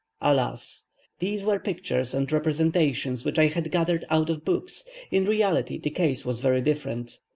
Alas! these were pictures and representations which I had gathered out of books; in reality the case was very different.